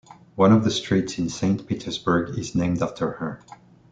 One of the streets in Saint Petersburg is named after her.